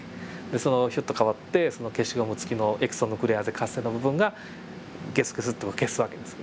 でそのヒュッと代わってその消しゴム付きのエキソヌクレアーゼ活性の部分がゲスゲスと消す訳です。